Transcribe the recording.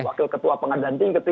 wakil ketua pengadilan tinggi